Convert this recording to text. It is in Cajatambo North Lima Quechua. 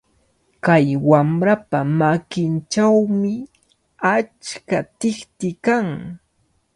Kay wamrapa makinchawmi achka tikti kan.